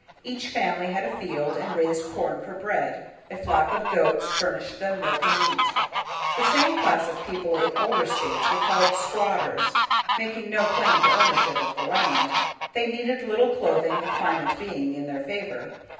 Each family had a field and raised corn for bread. A flock of goats furnished them milk and meat. The same class of people in older States were called squatters, making no claim to ownership of the land. They needed little clothing, the climate being in their favor.